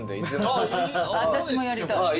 私もやりたい。